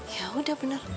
ya udah bener